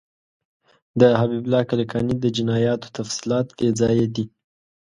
د حبیب الله کلکاني د جنایاتو تفصیلات بیځایه دي.